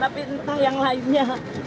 tapi entah yang lainnya